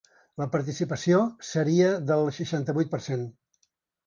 La participació seria del seixanta-vuit per cent.